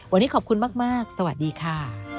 วันนี้ขอบคุณมากสวัสดีค่ะ